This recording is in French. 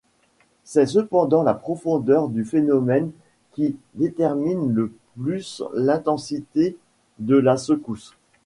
C'est cependant la profondeur du phénomène qui détermine le plus l'intensité de la secousse.